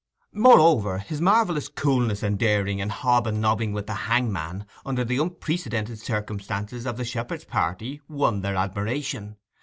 Moreover, his marvellous coolness and daring in hob and nobbing with the hangman, under the unprecedented circumstances of the shepherd's party, won their admiration.